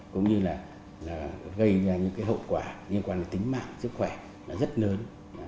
cũng như là gây ra những cái hậu quả liên quan đến tính mạng sức khỏe rất lớn